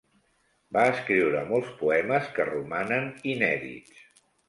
Va escriure molts poemes que romanen inèdits.